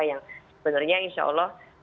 yang sebenarnya insya allah